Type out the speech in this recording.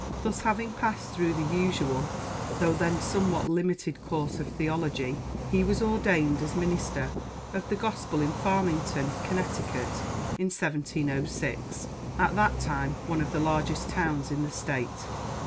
Thus having passed through the usual, though then somewhat limited, course of theology, he was ordained as minister of the gospel in Farmington, Connecticut, in 1706, at that time one of the largest towns in the state.